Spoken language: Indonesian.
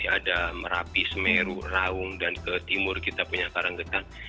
ada merapi semeru raung dan ke timur kita punya karanggetan